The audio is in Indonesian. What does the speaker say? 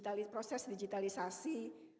di tengah proses digitalisasi